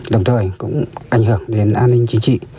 đồng thời cũng ảnh hưởng đến an ninh chính trị